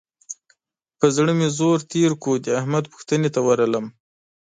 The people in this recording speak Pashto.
پر زړه مې زور تېر کړ؛ د احمد پوښتنې ته ورغلم.